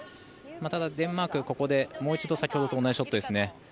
ここでデンマークがもう一度先ほどと同じショットですね。